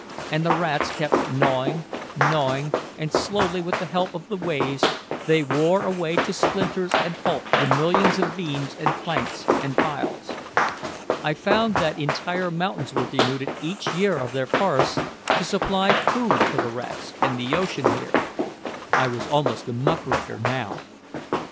And the rats kept gnawing, gnawing, and slowly with the help of the waves they wore away to splinters and pulp the millions of beams and planks and piles. I found that entire mountains were denuded each year of their forests to supply food for the rats and the ocean here. I was almost a muckraker now.